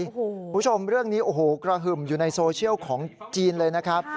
คุณผู้ชมเรื่องนี้โอ้โหกระหึ่มอยู่ในโซเชียลของจีนเลยนะครับ